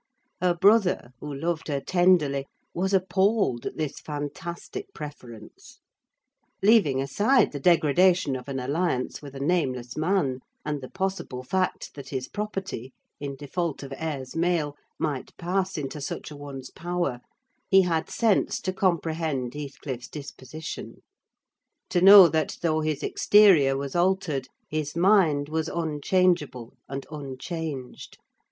Her brother, who loved her tenderly, was appalled at this fantastic preference. Leaving aside the degradation of an alliance with a nameless man, and the possible fact that his property, in default of heirs male, might pass into such a one's power, he had sense to comprehend Heathcliff's disposition: to know that, though his exterior was altered, his mind was unchangeable and unchanged.